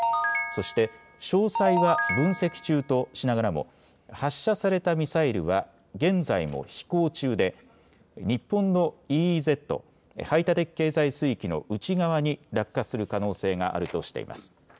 そして詳細は分析中としながらも発射されたミサイルは現在も飛行中で、日本のＥＥＺ・排他的経済水域の内側に落下する可能性があるとしています。